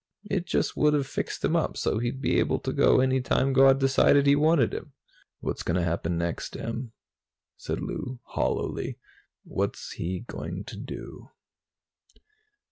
It just would have fixed him up so he'd be able to go any time God decided He wanted him." "What's going to happen next, Em?" said Lou hollowly. "What's he going to do?"